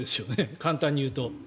簡単に言うと。